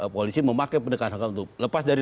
polisi memakai pendekatan untuk lepas dari